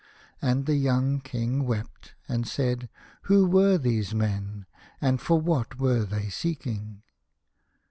And the young King wept, and said : "Who were these men, and for what were they seeking